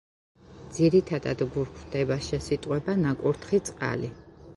ძირითადად გვხვდება შესიტყვება „ნაკურთხი წყალი“.